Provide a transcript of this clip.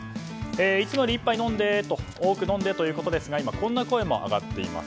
いつもより１杯多く飲んでということですが今、こんな声も上がっています。